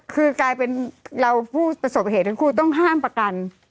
คือกลายเป็นเราผู้ประสบเหตุทั้งคู่ต้องห้ามประกัน